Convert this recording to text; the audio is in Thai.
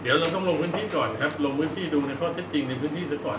เดี๋ยวต้องลงวิธีก่อนครับลงวิธีดูในข้อเท็จจริงในวิธีก่อน